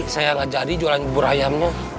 saya gak jadi jualan bubur ayamnya